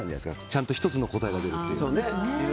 ちゃんと１つの答えが出るという。